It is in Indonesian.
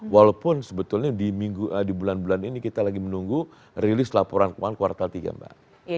walaupun sebetulnya di bulan bulan ini kita lagi menunggu rilis laporan keuangan kuartal tiga mbak